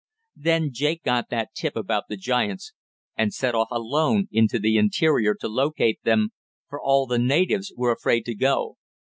Then Jake got that tip about the giants, and set off alone into the interior to locate them, for all the natives were afraid to go.